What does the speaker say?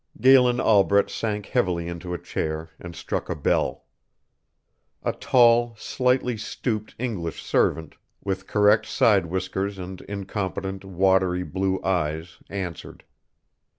Galen Albret sank heavily into a chair and struck a bell. A tall, slightly stooped English servant, with correct side whiskers and incompetent, watery blue eyes, answered.